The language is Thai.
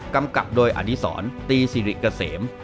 กำกับโดยอดีศรตีสิริเกษม